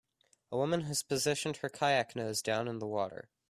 A woman has positioned her kayak nose down in the water.